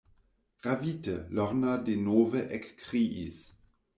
Ravite, Lorna denove ekkriis: